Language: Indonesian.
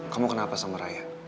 kamu kenapa sama raya